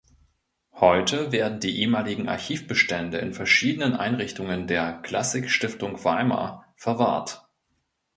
Heute werden die ehemaligen Archivbestände in verschiedenen Einrichtungen der "Klassik Stiftung Weimar" verwahrt.